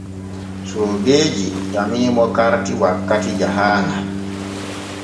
Soogeeji ƴamimo karti wakkati jahaaŋal.